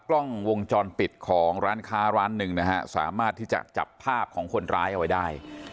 กล้องวงจรปิดของร้านค้าร้านหนึ่งนะฮะสามารถที่จะจับภาพของคนร้ายเอาไว้ได้